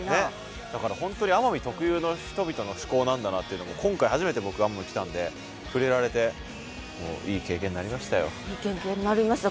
だから本当に奄美特有の人々の思考なんだなっていうのも今回初めて僕奄美来たんで触れられていい経験になりましたよ。いい経験になりました。